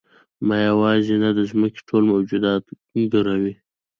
ما یوازې نه د ځمکې ټول موجودات کړوي.